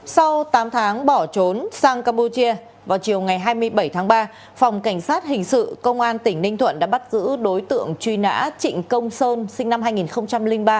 sau tám tháng bỏ trốn sang campuchia vào chiều ngày hai mươi bảy tháng ba phòng cảnh sát hình sự công an tỉnh ninh thuận đã bắt giữ đối tượng truy nã trịnh công sơn sinh năm hai nghìn ba